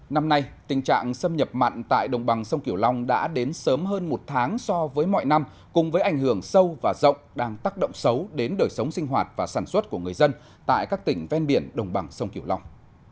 năm nay tình trạng xâm nhập mặn tại đồng bằng sông kiểu long đã đến sớm hơn một tháng so với mọi năm cùng với ảnh hưởng sâu và rộng đang tác động xấu đến đời sống sinh hoạt và sản xuất của người dân tại các tỉnh ven biển đồng bằng sông kiểu long